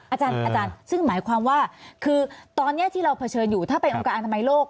อาจารย์ซึ่งหมายความว่าคือตอนนี้ที่เราเผชิญอยู่ถ้าเป็นองค์การอนามัยโลก